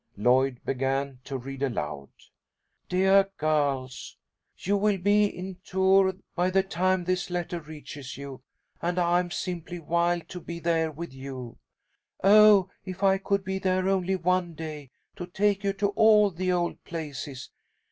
Lloyd began to read aloud. "DEAR GIRLS: You will be in Tours by the time this letter reaches you, and I am simply wild to be there with you. Oh, if I could be there only one day to take you to all the old places!